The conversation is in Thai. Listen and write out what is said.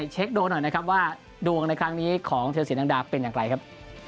ปล่อยเช็คดวงหน่อยว่าดวงนางครั้งนี้ของเทียสินแดงดาเป็นอย่างไรครับ